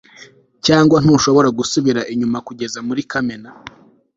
cyangwa ntushobora gusubira inyuma kugeza muri kamena